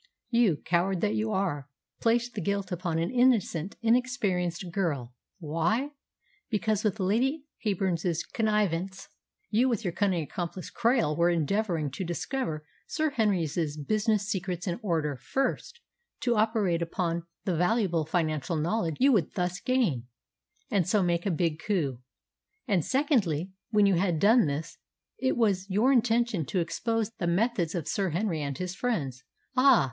"You, coward that you are, placed the guilt upon an innocent, inexperienced girl. Why? Because, with Lady Heyburn's connivance, you with your cunning accomplice Krail were endeavouring to discover Sir Henry's business secrets in order, first, to operate upon the valuable financial knowledge you would thus gain, and so make a big coup; and, secondly, when you had done this, it was your intention to expose the methods of Sir Henry and his friends. Ah!